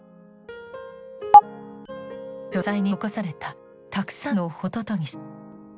書斎に残されたたくさんの「ホトトギス」。